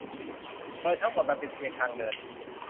โดยทั้งหมดมันเป็นเพียงทางเดิน